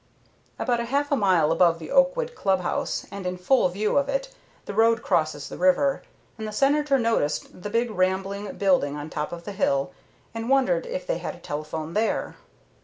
About a half a mile above the Oakwood Club House and in full view of it the road crosses the river, and the Senator noticed the big, rambling building on top of the hill, and wondered if they had a telephone there.